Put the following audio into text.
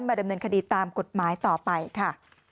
ดำเนินคดีตามกฎหมายต่อไปค่ะ